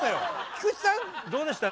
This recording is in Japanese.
菊池さんどうでした？